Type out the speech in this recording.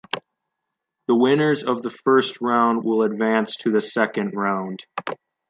The winners of the first round will advance to the second round.